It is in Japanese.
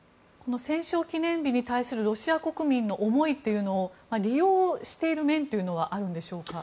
戦勝記念日に対するロシア国民の思いというのを利用している面というのはあるんでしょうか。